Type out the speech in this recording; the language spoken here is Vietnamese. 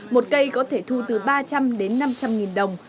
một cây có thể thu từ ba trăm linh đến năm trăm linh nghìn đồng